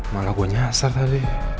malah gue nyasar tadi